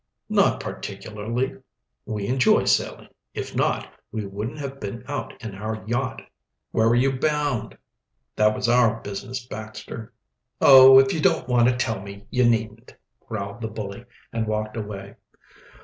"Not particularly. We enjoy sailing. If not, we wouldn't have been out in our yacht." "Where were you bound?" "That was our business, Baxter." "Oh, if you don't want to tell me, you needn't," growled the bully, and walked away.